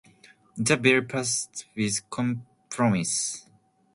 The bill passed with compromise.